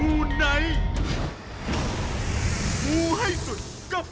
สวัสดีครับ